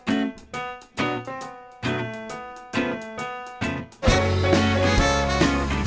โอเคเดี๋ยวไปรอนะครับผม